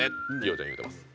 ちゃん言うてます。